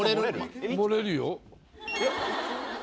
漏れるよ。